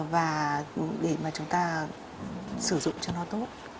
và để mà chúng ta sử dụng cho nó tốt